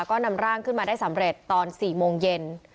ก็นำร่างขึ้นมาได้สำเร็จตอน๔โมงเย็น